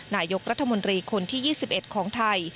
นายกรัฐมนตรีคนที่๒๑ของไทย